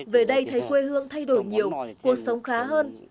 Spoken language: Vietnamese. về đây thấy quê hương thay đổi nhiều cuộc sống khá hơn